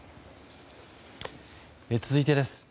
続いてです。